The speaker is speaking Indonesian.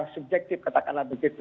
subjektif katakanlah begitu